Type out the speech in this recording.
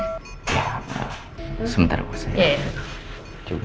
ya apaan sebentar aku saya hubungin